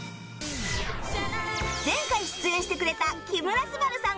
前回出演してくれた木村昴さん